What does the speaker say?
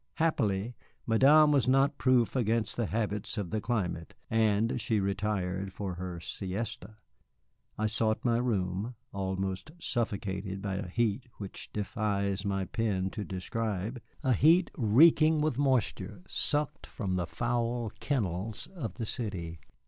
Happily, Madame was not proof against the habits of the climate, and she retired for her siesta. I sought my room, almost suffocated by a heat which defies my pen to describe, a heat reeking with moisture sucked from the foul kennels of the city.